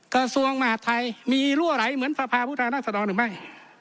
กระทรวงมหัสไทยมีรั่วไหลเหมือนภาพภาพภูตรราศดรหนึ่งไหม